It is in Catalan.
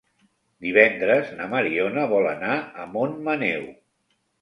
Divendres na Mariona vol anar a Montmaneu.